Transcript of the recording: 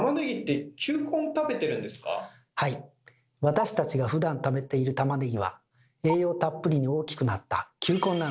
私たちがふだん食べているたまねぎは栄養たっぷりに大きくなった球根なんです。